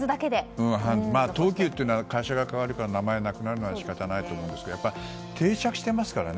東急っていうのは会社が変わるから名前がなくなるのは仕方ないと思うんですけど定着してますからね